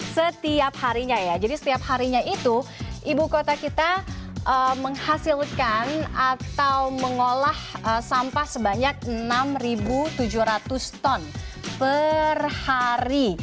setiap harinya ya jadi setiap harinya itu ibu kota kita menghasilkan atau mengolah sampah sebanyak enam tujuh ratus ton per hari